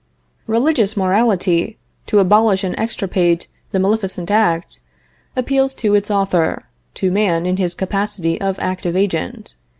Religious morality, to abolish and extirpate the maleficent act, appeals to its author, to man in his capacity of active agent.